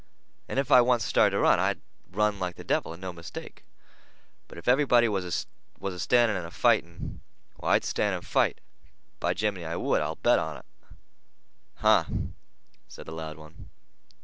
And if I once started to run, I'd run like the devil, and no mistake. But if everybody was a standing and a fighting, why, I'd stand and fight. Be jiminey, I would. I'll bet on it." "Huh!" said the loud one.